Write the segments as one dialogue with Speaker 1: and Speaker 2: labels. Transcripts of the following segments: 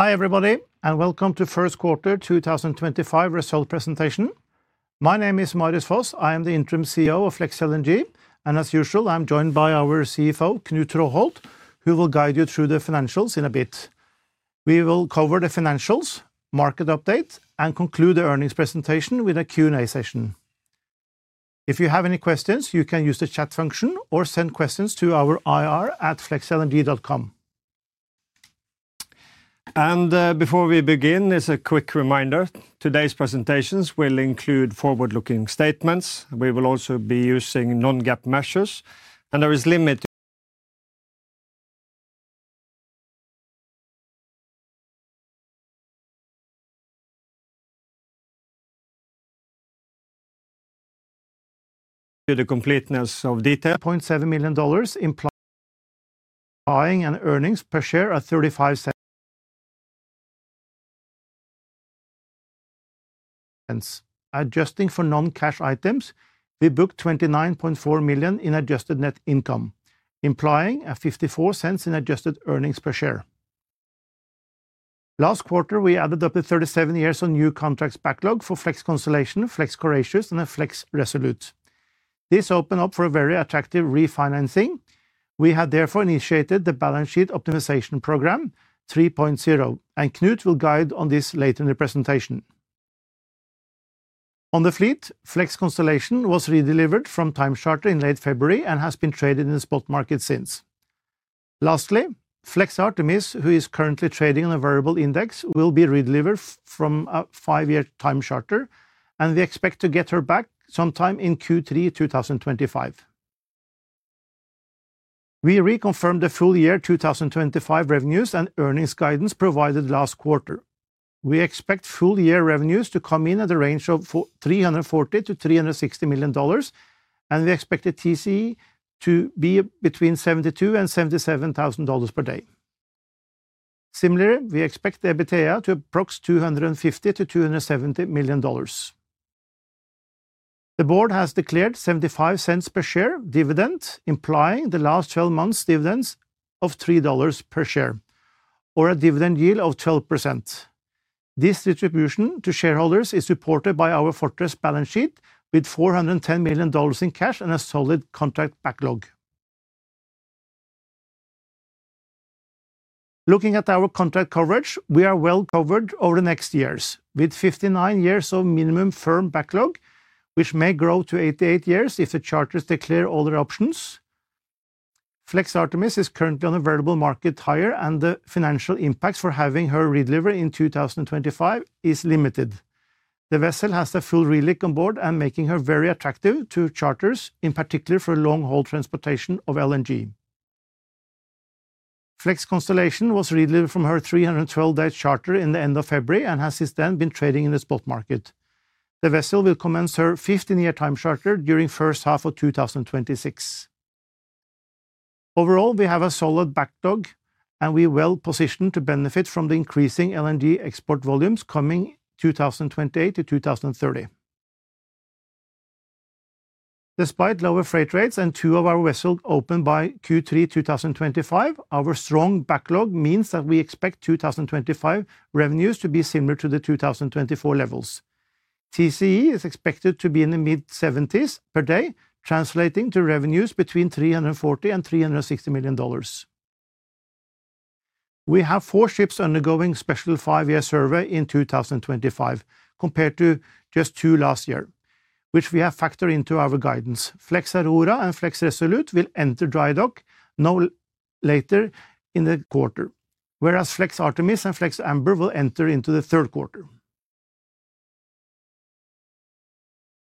Speaker 1: Hi everybody, and welcome to First Quarter 2025 Result Presentation. My name is Marius Foss. I am the Interim CEO of FLEX LNG, and as usual, I'm joined by our CFO, Knut Traaholt, who will guide you through the financials in a bit. We will cover the financials, market update, and conclude the earnings presentation with a Q&A session. If you have any questions, you can use the chat function or send questions to our IR@flexlng.com. Before we begin, it's a quick reminder: today's presentations will include forward-looking statements. We will also be using non-GAAP measures, and there is a limit to the completeness of detail. $1.7 million in buying and earnings per share at $0.35. Adjusting for non-cash items, we booked $29.4 million in adjusted net income, implying a $0.54 in adjusted earnings per share. Last quarter, we added up the 37 years of new contracts backlog for FLEX Constellation, FLEX Correctus, and FLEX Resolute. This opened up for a very attractive refinancing. We have therefore initiated the Balance Sheet Optimization Program 3.0, and Knut will guide on this later in the presentation. On the fleet, FLEX Constellation was redelivered from time charter in late February and has been traded in the spot market since. Lastly, FLEX Artemis, who is currently trading on a variable index, will be redelivered from a five-year time charter, and we expect to get her back sometime in Q3 2025. We reconfirmed the full year 2025 revenues and earnings guidance provided last quarter. We expect full year revenues to come in at a range of $340-$360 million, and we expect the TCE to be between $72,000 and $77,000 per day. Similarly, we expect the EBITDA to be approximately $250 million-$270 million. The board has declared a $0.75 per share dividend, implying the last 12 months' dividends of $3 per share, or a dividend yield of 12%. This distribution to shareholders is supported by our fortress balance sheet with $410 million in cash and a solid contract backlog. Looking at our contract coverage, we are well covered over the next years with 59 years of minimum firm backlog, which may grow to 88 years if the charters declare all their options. FLEX Artemis is currently on a variable market hire, and the financial impact for having her redeliver in 2025 is limited. The vessel has a full reliquefaction plant on board and makes her very attractive to charters, in particular for long-haul transportation of LNG. FLEX Constellation was redelivered from her 312-day charter at the end of February and has since then been trading in the spot market. The vessel will commence her 15-year time charter during the first half of 2026. Overall, we have a solid backlog, and we are well positioned to benefit from the increasing LNG export volumes coming in 2028 to 2030. Despite lower freight rates and two of our vessels open by Q3 2025, our strong backlog means that we expect 2025 revenues to be similar to the 2024 levels. TCE is expected to be in the mid-70s per day, translating to revenues between $340 million and $360 million. We have four ships undergoing a special five-year survey in 2025 compared to just two last year, which we have factored into our guidance. FLEX Aurora and FLEX Resolute will enter dry dock no later in the quarter, whereas FLEX Artemis and FLEX Amber will enter into the third quarter.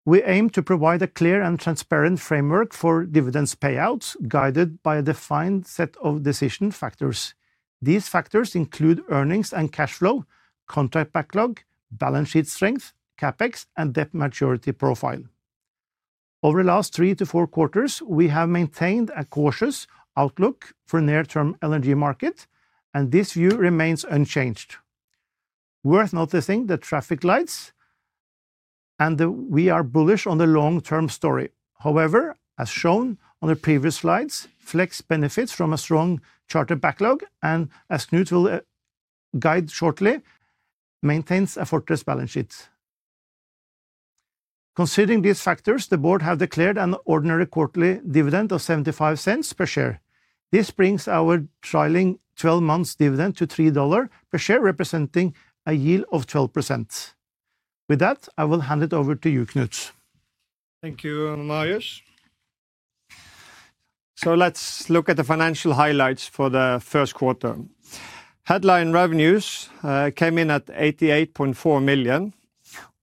Speaker 1: We aim to provide a clear and transparent framework for dividend payouts guided by a defined set of decision factors. These factors include earnings and cash flow, contract backlog, balance sheet strength, CapEx, and debt maturity profile. Over the last three to four quarters, we have maintained a cautious outlook for the near-term LNG market, and this view remains unchanged. Worth noticing the traffic lights, and we are bullish on the long-term story. However, as shown on the previous slides, FLEX benefits from a strong charter backlog, and as Knut will guide shortly, maintains a fortress balance sheet. Considering these factors, the board has declared an ordinary quarterly dividend of $0.75 per share. This brings our trailing 12-month dividend to $3 per share, representing a yield of 12%. With that, I will hand it over to you, Knut.
Speaker 2: Thank you, Marius. Let's look at the financial highlights for the first quarter. Headline revenues came in at $88.4 million,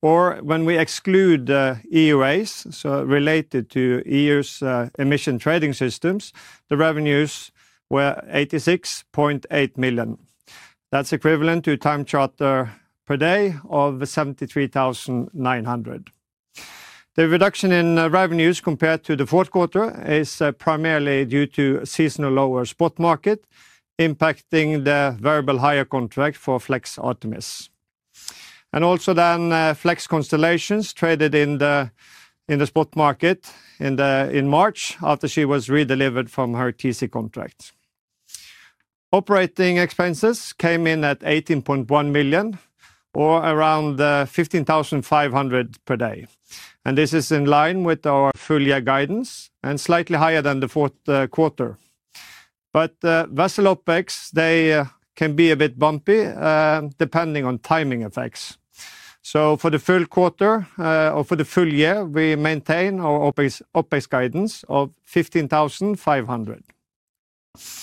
Speaker 2: or when we exclude the EUAs, so related to EU's emission trading systems, the revenues were $86.8 million. That's equivalent to time charter per day of $73,900. The reduction in revenues compared to the fourth quarter is primarily due to a seasonal lower spot market impacting the variable hire contract for FLEX Artemis. Also, FLEX Constellation traded in the spot market in March after she was redelivered from her TC contract. Operating expenses came in at $18.1 million, or around $15,500 per day. This is in line with our full year guidance and slightly higher than the fourth quarter. Vessel opex, they can be a bit bumpy depending on timing effects. For the full quarter or for the full year, we maintain our OpEx guidance of $15,500.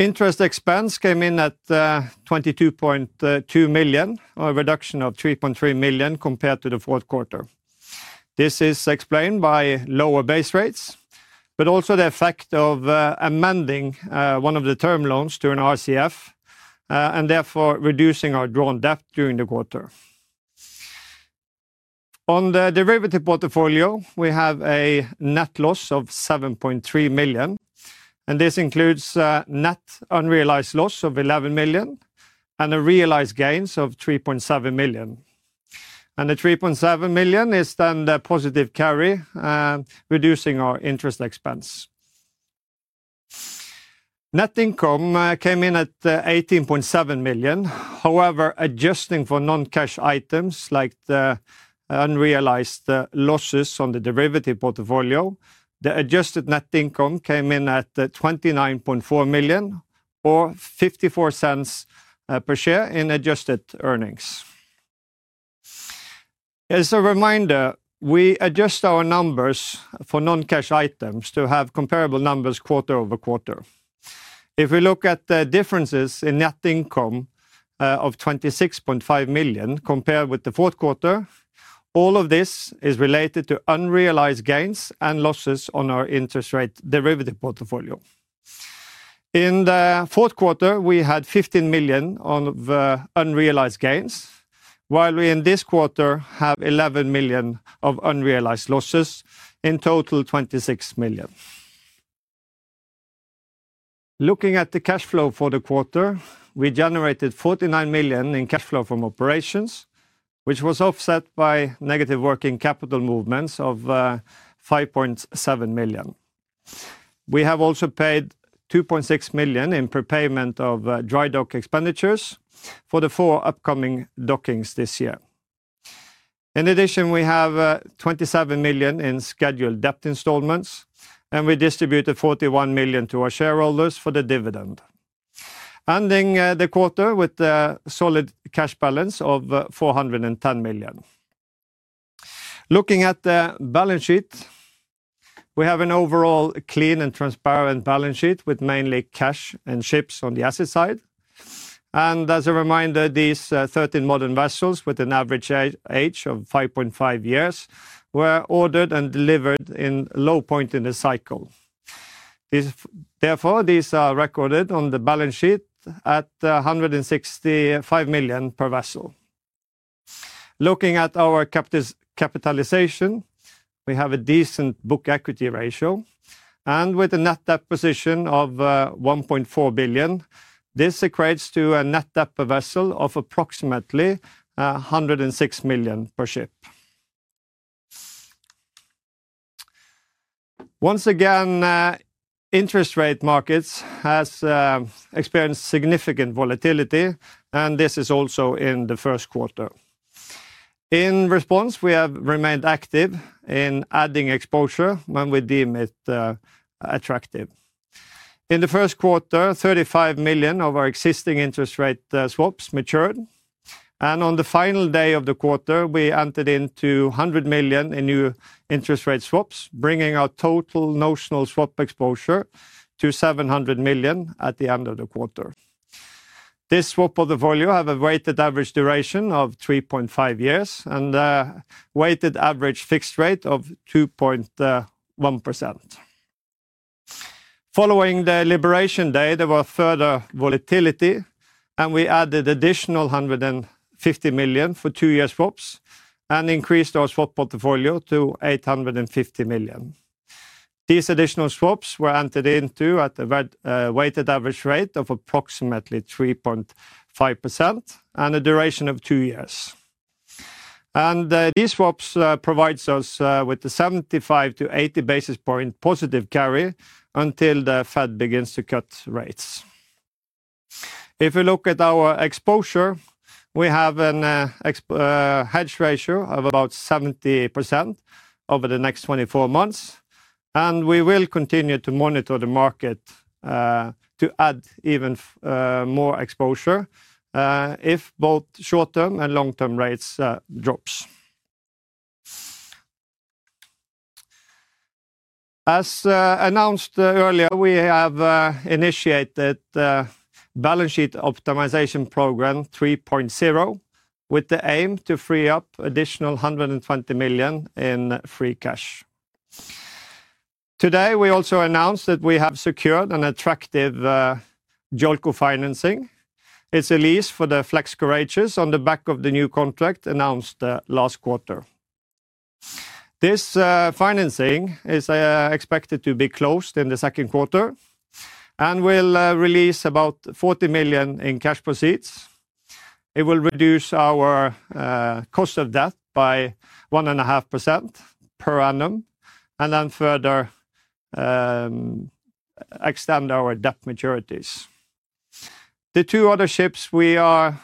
Speaker 2: Interest expense came in at $22.2 million, a reduction of $3.3 million compared to the fourth quarter. This is explained by lower base rates, but also the effect of amending one of the term loans to an RCF and therefore reducing our drawn debt during the quarter. On the derivative portfolio, we have a net loss of $7.3 million, and this includes net unrealized loss of $11 million and the realized gains of $3.7 million. The $3.7 million is then the positive carry, reducing our interest expense. Net income came in at $18.7 million. However, adjusting for non-cash items like the unrealized losses on the derivative portfolio, the adjusted net income came in at $29.4 million, or $0.54 per share in adjusted earnings. As a reminder, we adjust our numbers for non-cash items to have comparable numbers quarter over quarter. If we look at the differences in net income of $26.5 million compared with the fourth quarter, all of this is related to unrealized gains and losses on our interest rate derivative portfolio. In the fourth quarter, we had $15 million of unrealized gains, while we in this quarter have $11 million of unrealized losses, in total $26 million. Looking at the cash flow for the quarter, we generated $49 million in cash flow from operations, which was offset by negative working capital movements of $5.7 million. We have also paid $2.6 million in prepayment of dry dock expenditures for the four upcoming dockings this year. In addition, we have $27 million in scheduled debt installments, and we distributed $41 million to our shareholders for the dividend, ending the quarter with a solid cash balance of $410 million. Looking at the balance sheet, we have an overall clean and transparent balance sheet with mainly cash and ships on the asset side. As a reminder, these 13 modern vessels with an average age of 5.5 years were ordered and delivered in low point in the cycle. Therefore, these are recorded on the balance sheet at $165 million per vessel. Looking at our capitalization, we have a decent book equity ratio, and with a net debt position of $1.4 billion, this equates to a net debt per vessel of approximately $106 million per ship. Once again, interest rate markets have experienced significant volatility, and this is also in the first quarter. In response, we have remained active in adding exposure when we deem it attractive. In the first quarter, $35 million of our existing interest rate swaps matured, and on the final day of the quarter, we entered into $100 million in new interest rate swaps, bringing our total notional swap exposure to $700 million at the end of the quarter. This swap portfolio has a weighted average duration of 3.5 years and a weighted average fixed rate of 2.1%. Following the liberation day, there was further volatility, and we added additional $150 million for two-year swaps and increased our swap portfolio to $850 million. These additional swaps were entered into at a weighted average rate of approximately 3.5% and a duration of two years. These swaps provide us with a 75-80 basis point positive carry until the Fed begins to cut rates. If we look at our exposure, we have a hedge ratio of about 70% over the next 24 months, and we will continue to monitor the market to add even more exposure if both short-term and long-term rates drop. As announced earlier, we have initiated the Balance Sheet Optimization Program 3.0 with the aim to free up additional $120 million in free cash. Today, we also announced that we have secured an attractive JOLCO financing. It's a lease for the FLEX Correctus on the back of the new contract announced last quarter. This financing is expected to be closed in the second quarter and will release about $40 million in cash proceeds. It will reduce our cost of debt by 1.5% per annum and then further extend our debt maturities. The two other ships we are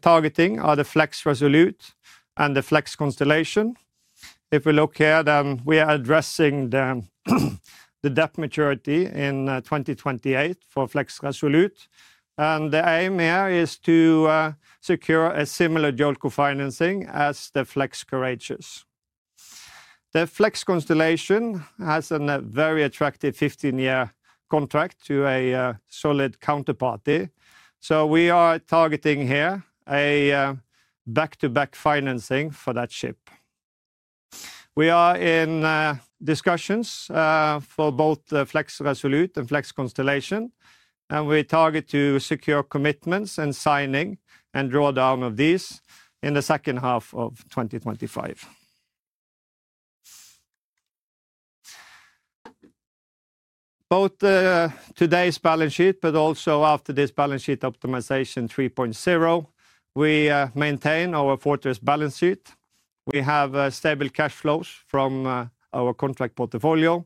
Speaker 2: targeting are the FLEX Resolute and the FLEX Constellation. If we look here, then we are addressing the debt maturity in 2028 for FLEX Resolute, and the aim here is to secure a similar JOLCO financing as the FLEX Correctus. The FLEX Constellation has a very attractive 15-year contract to a solid counterparty, so we are targeting here a back-to-back financing for that ship. We are in discussions for both the FLEX Resolute and FLEX Constellation, and we target to secure commitments and signing and drawdown of these in the second half of 2025. Both today's balance sheet, but also after this Balance Sheet Optimization Program 3.0, we maintain our fortress balance sheet. We have stable cash flows from our contract portfolio,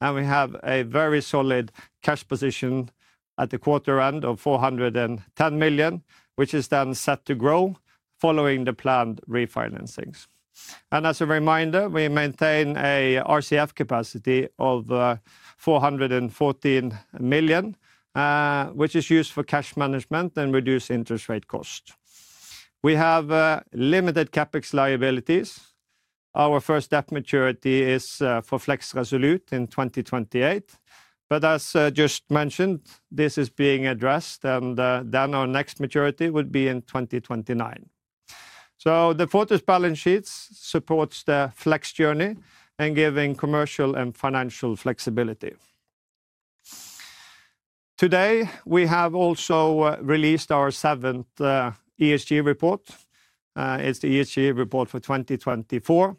Speaker 2: and we have a very solid cash position at the quarter end of $410 million, which is then set to grow following the planned refinancings. As a reminder, we maintain an RCF capacity of $414 million, which is used for cash management and reduced interest rate cost. We have limited CapEx liabilities. Our first debt maturity is for FLEX Resolute in 2028, but as just mentioned, this is being addressed, and our next maturity would be in 2029. The fortress balance sheet supports the FLEX journey and gives commercial and financial flexibility. Today, we have also released our seventh ESG report. It is the ESG report for 2024,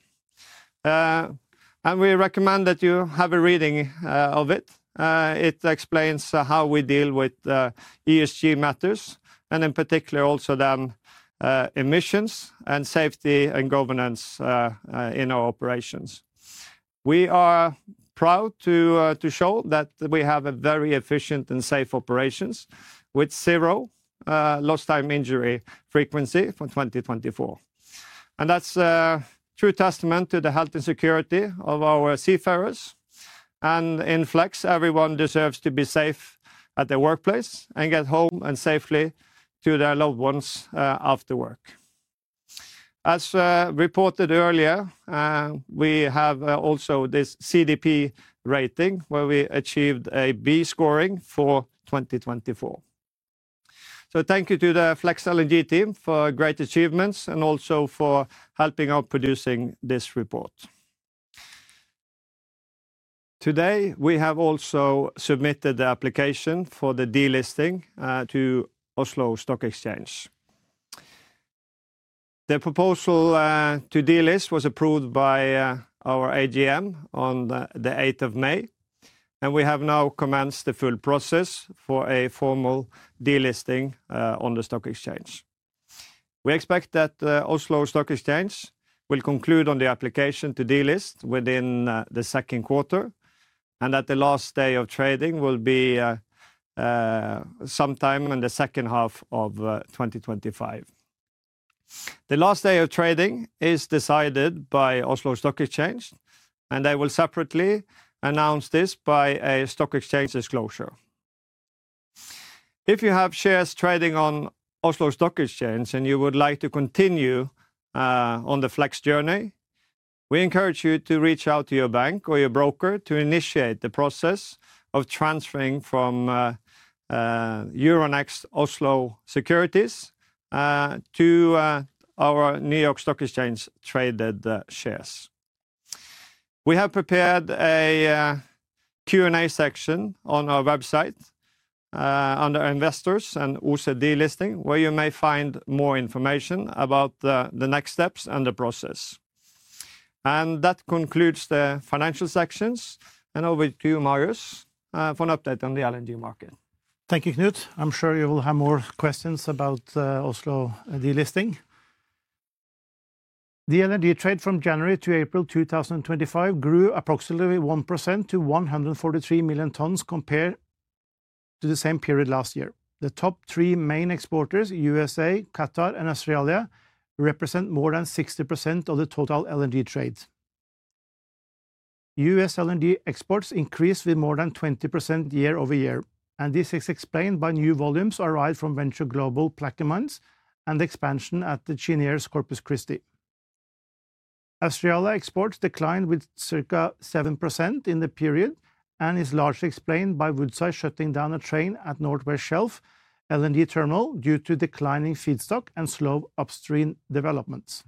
Speaker 2: and we recommend that you have a reading of it. It explains how we deal with ESG matters and, in particular, also emissions and safety and governance in our operations. We are proud to show that we have very efficient and safe operations with zero lost time injury frequency for 2024. That is a true testament to the health and security of our seafarers. In FLEX, everyone deserves to be safe at their workplace and get home safely to their loved ones after work. As reported earlier, we have also this CDP rating where we achieved a B scoring for 2024. Thank you to the FLEX LNG team for great achievements and also for helping out producing this report. Today, we have also submitted the application for the delisting to Oslo Stock Exchange. The proposal to delist was approved by our AGM on the 8th of May, and we have now commenced the full process for a formal delisting on the Stock Exchange. We expect that Oslo Stock Exchange will conclude on the application to delist within the second quarter and that the last day of trading will be sometime in the second half of 2025. The last day of trading is decided by Oslo Stock Exchange, and they will separately announce this by a Stock Exchange disclosure. If you have shares trading on Oslo Stock Exchange and you would like to continue on the FLEX journey, we encourage you to reach out to your bank or your broker to initiate the process of transferring from Euronext Oslo Securities to our New York Stock Exchange traded shares. We have prepared a Q&A section on our website under Investors and OSED listing, where you may find more information about the next steps and the process. That concludes the financial sections, and over to you, Marius, for an update on the LNG market.
Speaker 1: Thank you, Knut. I'm sure you will have more questions about Oslo delisting. The LNG trade from January to April 2025 grew approximately 1% to 143 million tons compared to the same period last year. The top three main exporters, USA, Qatar, and Australia, represent more than 60% of the total LNG trade. US LNG exports increased with more than 20% year over year, and this is explained by new volumes arrived from Venture Global Plaquemines and the expansion at the Cheniere's Corpus Christi. Australia exports declined with circa 7% in the period and is largely explained by Woodside shutting down a train at Northwest Shelf LNG terminal due to declining feedstock and slow upstream developments.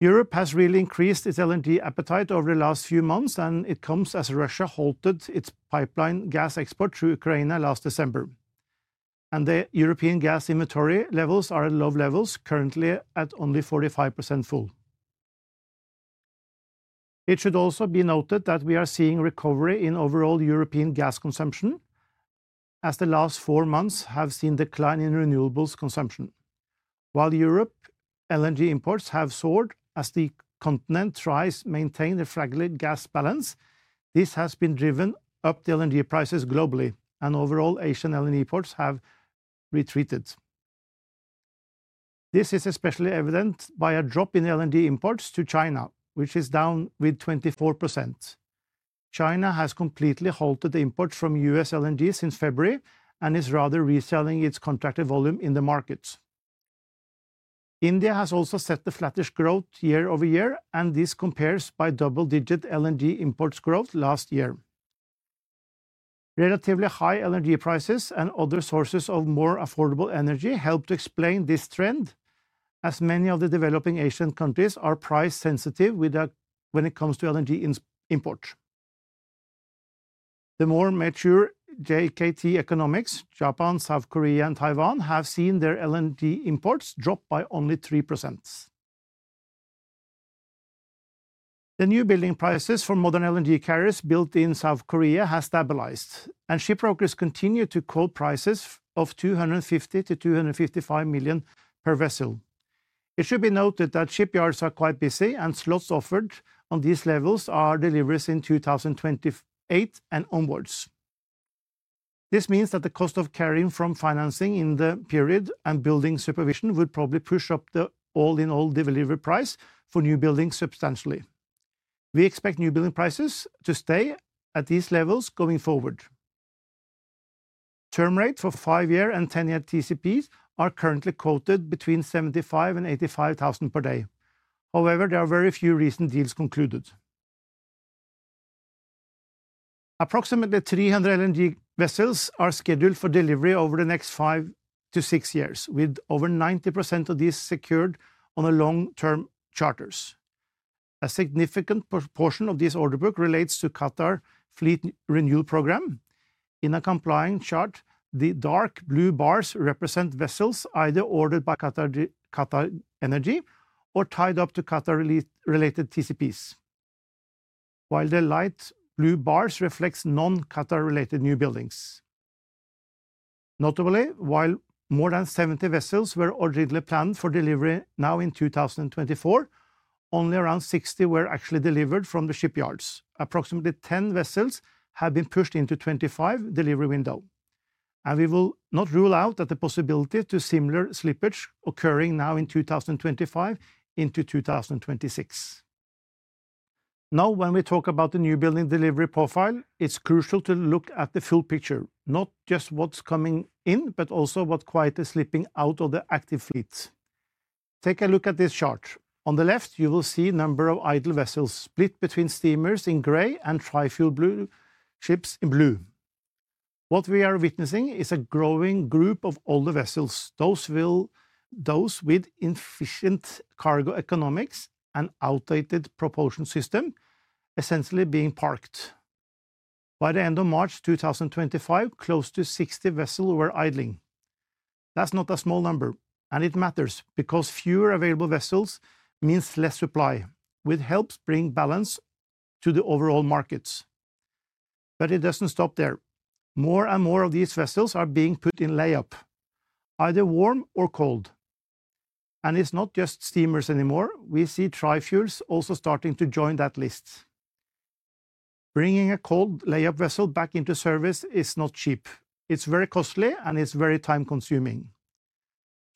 Speaker 1: Europe has really increased its LNG appetite over the last few months, and it comes as Russia halted its pipeline gas export through Ukraine last December, and the European gas inventory levels are at low levels, currently at only 45% full. It should also be noted that we are seeing recovery in overall European gas consumption, as the last four months have seen a decline in renewables consumption. While Europe's LNG imports have soared as the continent tries to maintain a fragile gas balance, this has driven up the LNG prices globally, and overall, Asian LNG imports have retreated. This is especially evident by a drop in LNG imports to China, which is down 24%. China has completely halted the imports from US LNG since February and is rather reselling its contracted volume in the markets. India has also set the flattish growth year over year, and this compares by double-digit LNG imports growth last year. Relatively high LNG prices and other sources of more affordable energy help to explain this trend, as many of the developing Asian countries are price-sensitive when it comes to LNG imports. The more mature JKT economics, Japan, South Korea, and Taiwan have seen their LNG imports drop by only 3%. The new building prices for modern LNG carriers built in South Korea have stabilized, and ship brokers continue to quote prices of $250 million to $255 million per vessel. It should be noted that shipyards are quite busy, and slots offered on these levels are deliveries in 2028 and onwards. This means that the cost of carrying from financing in the period and building supervision would probably push up the all-in-all delivery price for new buildings substantially. We expect new building prices to stay at these levels going forward. Term rates for five-year and 10-year TCPs are currently quoted between $75,000 and $85,000 per day. However, there are very few recent deals concluded. Approximately 300 LNG vessels are scheduled for delivery over the next five to six years, with over 90% of these secured on long-term charters. A significant portion of this order book relates to Qatar's fleet renewal program. In a compliance chart, the dark blue bars represent vessels either ordered by Qatar Energy or tied up to Qatar-related TCPs, while the light blue bars reflect non-Qatar-related new buildings. Notably, while more than 70 vessels were originally planned for delivery now in 2024, only around 60 were actually delivered from the shipyards. Approximately 10 vessels have been pushed into the 2025 delivery window, and we will not rule out the possibility of similar slippage occurring now in 2025 into 2026. Now, when we talk about the new building delivery profile, it's crucial to look at the full picture, not just what's coming in, but also what quite is slipping out of the active fleet. Take a look at this chart. On the left, you will see the number of idle vessels split between steamers in gray and tri-fuel blue ships in blue. What we are witnessing is a growing group of older vessels, those with inefficient cargo economics and outdated propulsion systems, essentially being parked. By the end of March 2025, close to 60 vessels were idling. That's not a small number, and it matters because fewer available vessels means less supply, which helps bring balance to the overall markets. It doesn't stop there. More and more of these vessels are being put in layup, either warm or cold. It's not just steamers anymore. We see tri-fuels also starting to join that list. Bringing a cold layup vessel back into service is not cheap. It is very costly, and it is very time-consuming.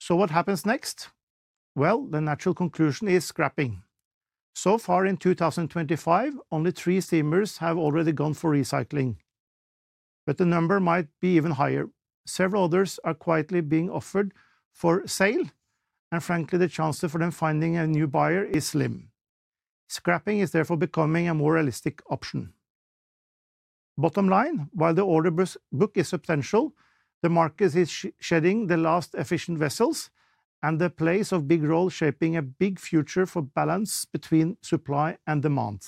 Speaker 1: What happens next? The natural conclusion is scrapping. So far in 2025, only three steamers have already gone for recycling, but the number might be even higher. Several others are quietly being offered for sale, and frankly, the chances for them finding a new buyer are slim. Scrapping is therefore becoming a more realistic option. Bottom line, while the order book is substantial, the market is shedding the last efficient vessels, and they play a big role shaping a big future for balance between supply and demand.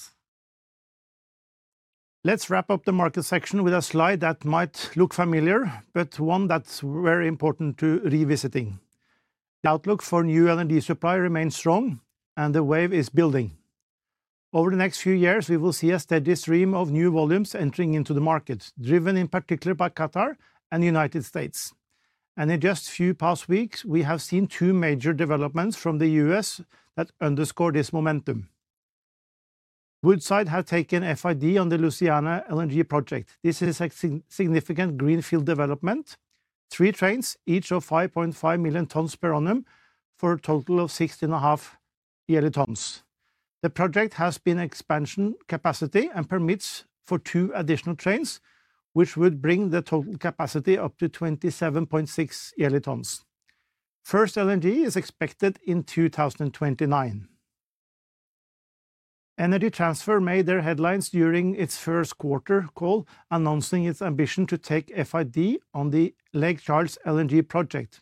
Speaker 1: Let's wrap up the market section with a slide that might look familiar, but one that is very important to revisiting. The outlook for new LNG supply remains strong, and the wave is building. Over the next few years, we will see a steady stream of new volumes entering into the market, driven in particular by Qatar and the United States. In just a few past weeks, we have seen two major developments from the U.S. that underscore this momentum. Woodside has taken FID on the Louisiana LNG project. This is a significant greenfield development: three trains, each of 5.5 million tons per annum, for a total of 16.5 million tons per year. The project has been expanding capacity and permits for two additional trains, which would bring the total capacity up to 27.6 million tons per year. First LNG is expected in 2029. Energy Transfer made their headlines during its first quarter call, announcing its ambition to take FID on the Lake Charles LNG project,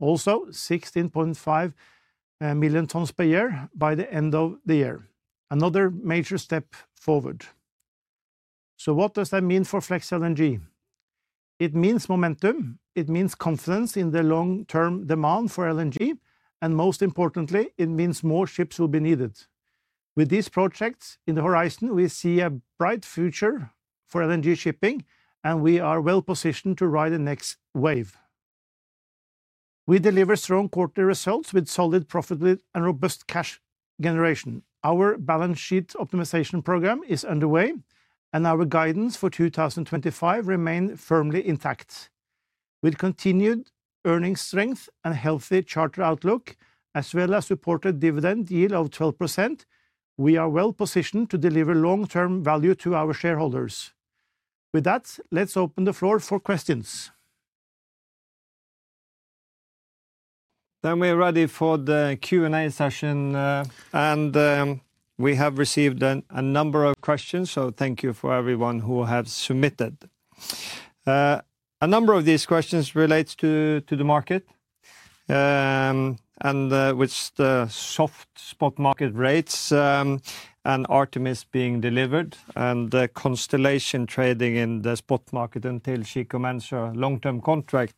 Speaker 1: also 16.5 million tons per year by the end of the year. Another major step forward. What does that mean for FLEX LNG? It means momentum. It means confidence in the long-term demand for LNG, and most importantly, it means more ships will be needed. With these projects in the horizon, we see a bright future for LNG shipping, and we are well positioned to ride the next wave. We deliver strong quarterly results with solid profitability and robust cash generation. Our Balance Sheet Optimization Program is underway, and our guidance for 2025 remains firmly intact. With continued earnings strength and a healthy charter outlook, as well as supported dividend yield of 12%, we are well positioned to deliver long-term value to our shareholders.
Speaker 2: With that, let's open the floor for questions. We are ready for the Q&A session, and we have received a number of questions, so thank you for everyone who has submitted. A number of these questions relate to the market and with the soft spot market rates and Artemis being delivered and the Constellation trading in the spot market until she commences her long-term contract.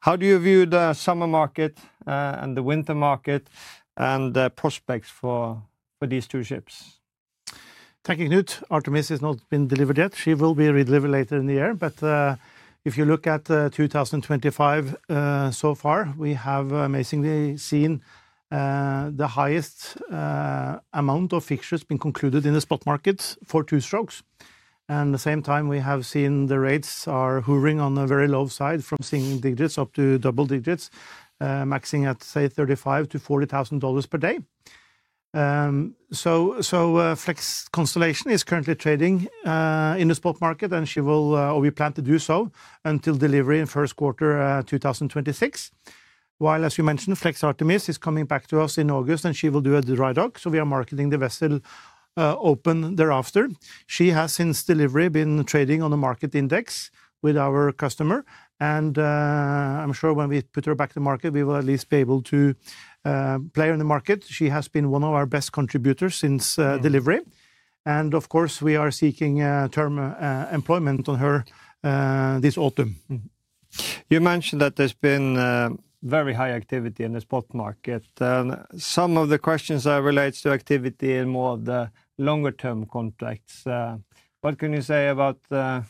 Speaker 2: How do you view the summer market and the winter market and the prospects for these two ships?
Speaker 1: Thank you, Knut. Artemis has not been delivered yet. She will be delivered later in the year, but if you look at 2025 so far, we have amazingly seen the highest amount of fixtures being concluded in the spot market for two-strokes. At the same time, we have seen the rates hovering on the very low side from single digits up to double digits, maxing at, say, $35,000-$40,000 per day. FLEX Constellation is currently trading in the spot market, and she will, or we plan to do so, until delivery in the first quarter of 2026. While, as you mentioned, FLEX Artemis is coming back to us in August, and she will do a dry dock, so we are marketing the vessel open thereafter. She has, since delivery, been trading on the market index with our customer, and I'm sure when we put her back to market, we will at least be able to play on the market. She has been one of our best contributors since delivery, and of course, we are seeking term employment on her this autumn.
Speaker 2: You mentioned that there's been very high activity in the spot market. Some of the questions relate to activity in more of the longer-term contracts. What can you say about the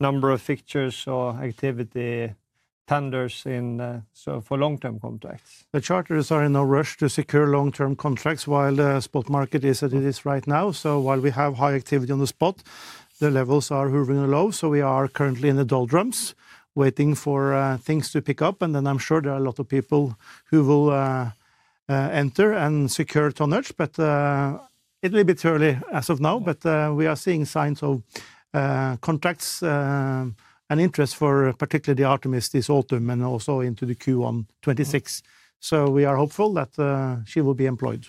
Speaker 2: number of fixtures or activity tenders for long-term contracts?
Speaker 1: The charters are in no rush to secure long-term contracts while the spot market is at it right now. While we have high activity on the spot, the levels are hovering low, so we are currently in the doldrums, waiting for things to pick up. I am sure there are a lot of people who will enter and secure tonnage, but it will be too early as of now. We are seeing signs of contracts and interest for particularly the Artemis this autumn and also into the Q1 2026. We are hopeful that she will be employed.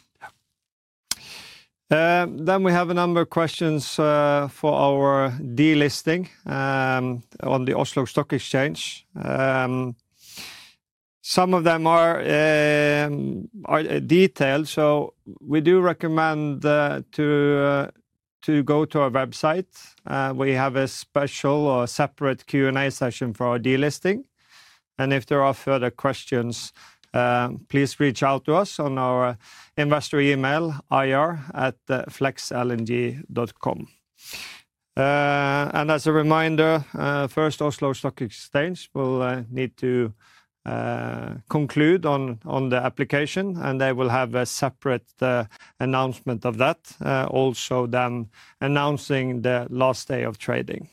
Speaker 2: We have a number of questions for our delisting on the Oslo Stock Exchange. Some of them are detailed, so we do recommend to go to our website. We have a special or a separate Q&A session for our delisting, and if there are further questions, please reach out to us on our investor email, ir@flexlng.com. As a reminder, first, Oslo Stock Exchange will need to conclude on the application, and they will have a separate announcement of that, also then announcing the last day of trading.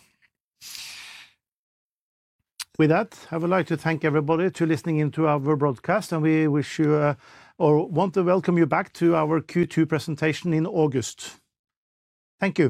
Speaker 2: With that, I would like to thank everybody for listening to our broadcast, and we wish you or want to welcome you back to our Q2 presentation in August. Thank you.